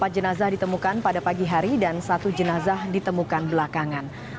empat jenazah ditemukan pada pagi hari dan satu jenazah ditemukan belakangan